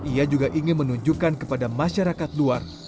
ia juga ingin menunjukkan kepada masyarakat luar